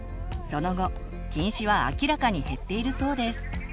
その後近視は明らかに減っているそうです。